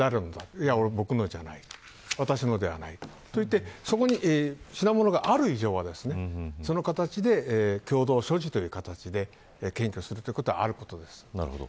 いや僕のじゃない私のではないと言ってそこに品物がある以上はその形で共同所持という形で検挙するということはあることです。